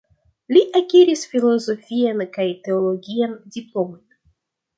Li akiris filozofian kaj teologian diplomojn.